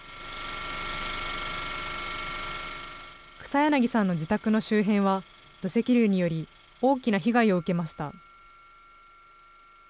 草柳さんの自宅の周辺は、土石流により大きな被害を受けました。